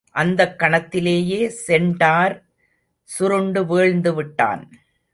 அந்தக்கணத்திலேயே centaur சுருண்டு வீழ்ந்துவிட்டான்.